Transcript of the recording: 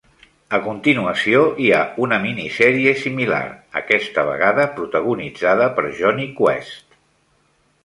A continuació hi ha una minisèrie similar, aquesta vegada protagonitzada per Jonny Quest.